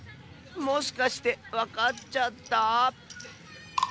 もしかしてわかっちゃった？